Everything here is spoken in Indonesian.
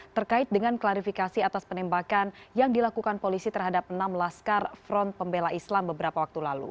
terkait dengan klarifikasi atas penembakan yang dilakukan polisi terhadap enam laskar front pembela islam beberapa waktu lalu